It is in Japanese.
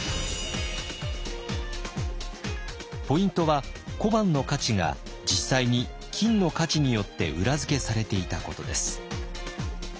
ポイントは小判の価値が実際に金の価値によって裏付けされていたことです。